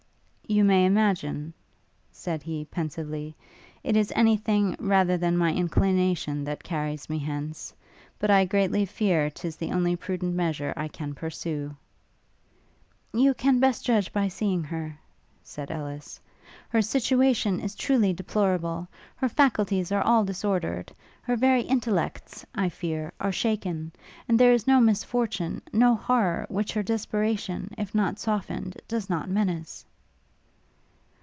'You may imagine,' said he, pensively, 'it is any thing rather than my inclination that carries me hence ... but I greatly fear 'tis the only prudent measure I can pursue.' 'You can best judge by seeing her,' said Ellis: 'her situation is truly deplorable. Her faculties are all disordered; her very intellects, I fear, are shaken; and there is no misfortune, no horrour, which her desperation, if not softened, does not menace.'